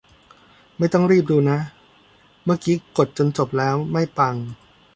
ไม่ต้องรีบดูนะ เมื่อกี้กดจนจบแล้ว ไม่ปัง